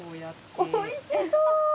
おいしそう！